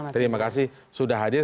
terima kasih sudah hadir